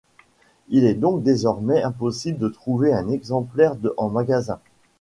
Il est donc désormais impossible de trouver un exemplaire en magasin.